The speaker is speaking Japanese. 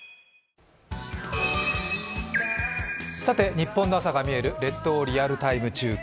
日本の朝が見える「列島リアルタイム中継」